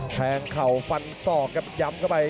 แข็งเข่าฟันซอกกับย้ำเข้าไป